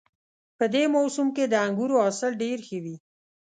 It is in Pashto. په دې موسم کې د انګورو حاصل ډېر ښه وي